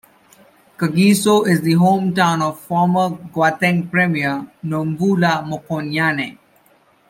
Kagiso is the hometown of former Gauteng premier Nomvula Mokonyane.